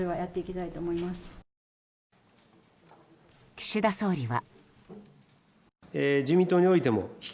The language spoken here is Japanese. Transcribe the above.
岸田総理は。